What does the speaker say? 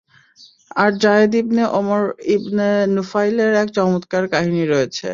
আর Zayd ibn Amr ibn নুফাইলের এক চমৎকার কাহিনী রয়েছে।